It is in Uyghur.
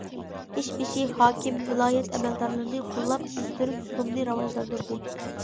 ئىش بېشى، ھاكىم، ۋىلايەت ئەمەلدارلىرىنى قوللاپ، ئۆستۈرۈپ زۇلۇمنى راۋاجلاندۇردى.